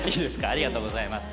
ありがとうございます。